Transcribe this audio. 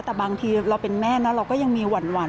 แต่บางทีเราเป็นแม่นะเราก็ยังมีหวั่น